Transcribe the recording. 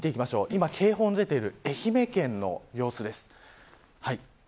今、警報の出ている愛媛県の様子です。